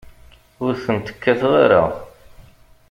Ur tent-kkateɣ ara.